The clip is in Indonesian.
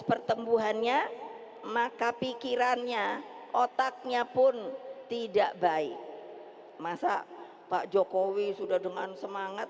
pertumbuhannya maka pikirannya otaknya pun tidak baik masa pak jokowi sudah dengan semangat